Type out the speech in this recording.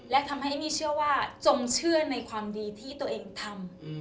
และทำให้เอมมี่เชื่อว่าจงเชื่อในความดีที่ตัวเองทำ